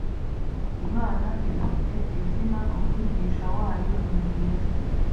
imana ifite izina umwigisha wayo nimwiza